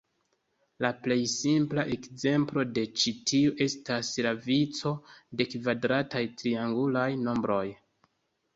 La plej simpla ekzemplo de ĉi tiu estas la vico de kvadrataj triangulaj nombroj.